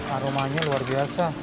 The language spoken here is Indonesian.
aromanya luar biasa